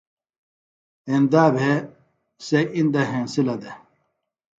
ایندا بھےۡ سےۡ اِندہ ہینسِلہ دےۡ